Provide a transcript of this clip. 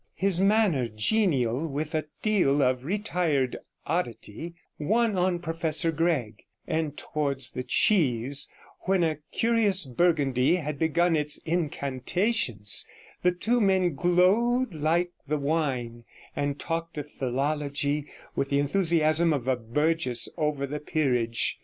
His manner, genial, with a deal of retired oddity, won on Professor Gregg; and towards the cheese, when a curious Burgundy had begun its incantations, the two men glowed like the wine, and talked of philology with the enthusiasm of a burgess over the peerage.